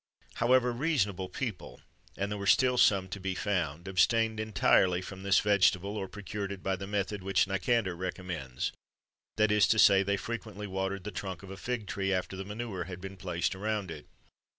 [XXIII 120] However, reasonable people and there were still some to be found abstained entirely from this vegetable, or procured it by the method which Nicander recommends; that is to say, they frequently watered the trunk of a fig tree after manure had been placed around it.